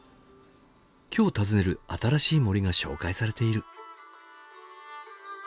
今日訪ねる新しい森が紹介されている。